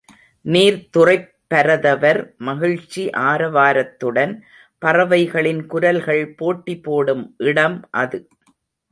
நீர்த் துறைப் பரதவர் மகிழ்ச்சி ஆரவாரத்துடன் பறவைகளின் குரல்கள் போட்டி போடும் இடம் அது.